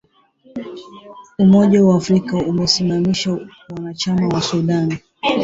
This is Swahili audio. Umoja wa Afrika umeisimamisha uanachama wa Sudan